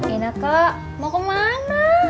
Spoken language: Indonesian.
ineke mau ke mana